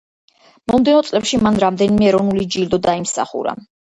მომდევნო წლებში მან რამდენიმე ეროვნული ჯილდო დაიმსახურა.